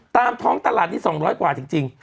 ตามท้องตลาดนี้๒๐๐กว่าจริง